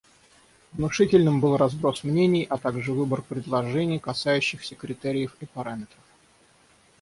Внушительным был разброс мнений, а также выбор предложений, касающихся критериев и параметров.